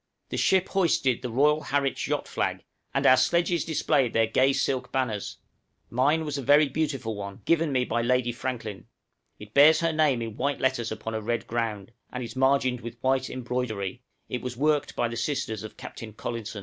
The ship hoisted the Royal Harwich Yacht flag, and our sledges displayed their gay silk banners; mine was a very beautiful one, given me by Lady Franklin; it bears her name in white letters upon a red ground, and is margined with white embroidery; it was worked by the sisters of Captain Collinson.